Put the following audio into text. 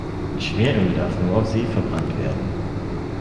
Schweröl darf nur auf See verbrannt werden.